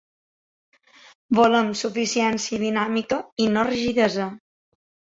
Volem suficiència dinàmica i no rigidesa.